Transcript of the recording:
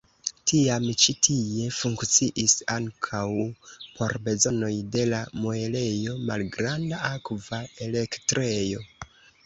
Tiam ĉi tie funkciis ankaŭ por bezonoj de la muelejo malgranda akva elektrejo.